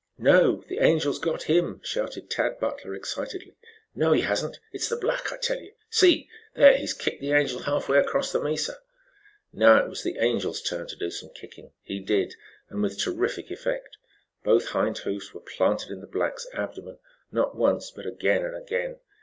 "No, the Angel's got him!" shouted Tad Butler excitedly. "No, he hasn't! It's the black, I tell you. See! There, he's kicked the Angel halfway across the mesa." Now it was the Angel's turn to do some kicking. He did, and with terrific effect. Both hind hoofs were planted in the black's abdomen. Not once, but again and again.